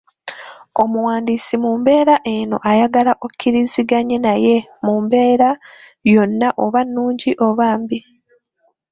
Omuwandiisi mu mbeera eno ayagala okkiriziganye naye mu mbeera yonna oba nnungi oba mbi.